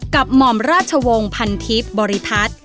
กับหม่อมราชวงศ์พันธิปต์บริทัศน์